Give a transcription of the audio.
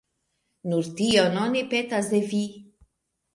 Nur tion oni petas de vi.